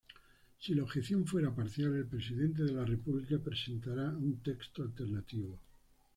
Si la objeción fuera parcial, el Presidente de la República presentará un texto alternativo.